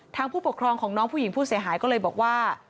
ผู้ปกครองของน้องผู้หญิงผู้เสียหายก็เลยบอกว่า